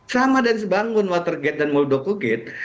sama dan sebangun watergate dan muldoko gate